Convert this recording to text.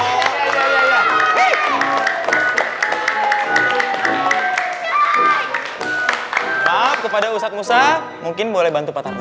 ayo kasih tepuk tangan buat pak tarno